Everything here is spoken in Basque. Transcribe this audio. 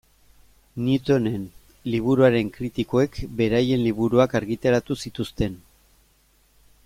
Newtonen liburuaren kritikoek beraien liburuak argitaratu zituzten.